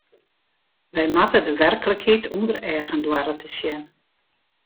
Wy moatte de werklikheid ûnder eagen doare te sjen.